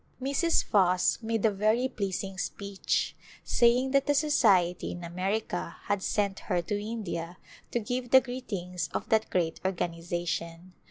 Mrs. Foss made a very pleasing speech, saying that the Society in America had sent her to India to give [ 350 ] Return to India the greetings of that great organization.